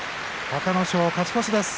隆の勝、勝ち越しです。